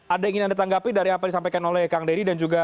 ada yang ingin anda tanggapi dari apa yang disampaikan oleh kang deddy dan juga